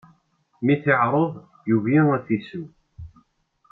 Mi t-iɛreḍ, yugi ad t-isew.